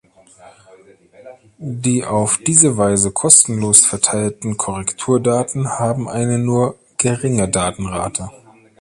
Die auf diese Weise kostenlos verteilten Korrekturdaten haben eine nur geringe Datenrate.